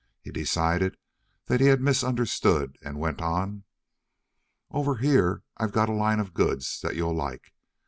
He decided that he had misunderstood, and went on: "Over here I got a line of goods that you'll like.